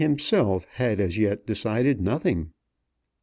himself had as yet decided nothing.